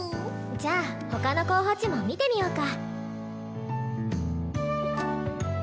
じゃあ他の候補地も見てみようか。